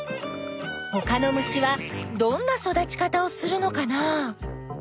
ほかの虫はどんな育ち方をするのかな？